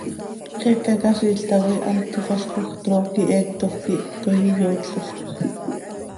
Xicaquiziil tacoi hant tífalcoj, trooquij heecto quih toii iyootlolca.